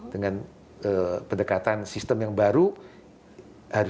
dengan pendekatan sistem yang baru